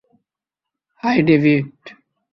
High, David.